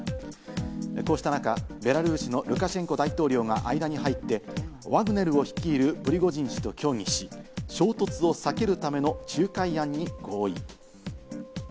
こうした中、ベラルーシのルカシェンコ大統領が間に入って、ワグネルを率いるプリゴジン氏と協議し、衝突を避けるための仲介案に合意。